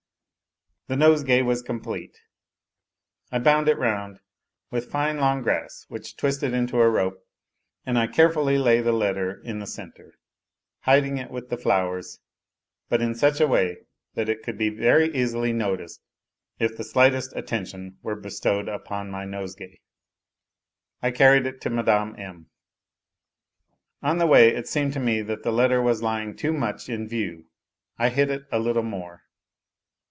The nosegay was complete. I bound it round with fine long grass which twisted into a rope, and I carefully lay the letter in the centre, hiding it with the flowers, but in such a way that it could be very easily noticed if the slightest attention were bestowed upon my nosegay. I carried it to Mme. M. On the way it seemed to me that the letter was lying too much in view : I hid it a little more.